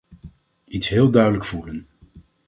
Iets heel duidelijk voelen.